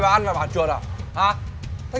chưa ăn đã đuổi khách rồi tính tiền